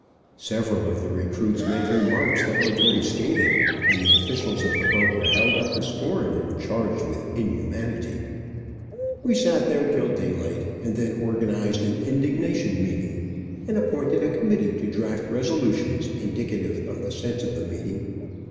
Several of the recruits made remarks that were very scathing, and the officials of the boat were held up to scorn, and charged with inhumanity. We sat there till daylight, and then organized an indignation meeting, and appointed a committee to draft resolutions indicative of the sense of the meeting.